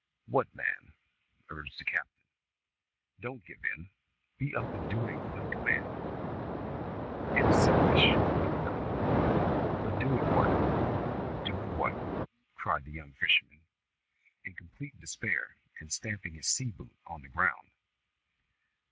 "What, man," urged the captain, "don't give in! Be up and doing like a man!" "It is selfish, I know, but doing what, doing what?" cried the young fisherman, in complete despair, and stamping his sea boot on the ground.